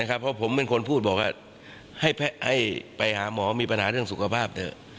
เพราะผมเป็นคนพูดบอกว่าให้ไปหาหมอมีปัญหาเรื่องสุขภาพเถอะ